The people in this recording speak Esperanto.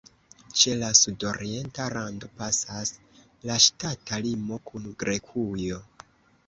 Ĉe la sudorienta rando pasas la ŝtata limo kun Grekujo.